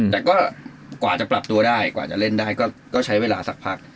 แต่ก็กว่าจะปรับตัวได้กว่าจะเล่นได้ก็ใช้เวลาสักพัก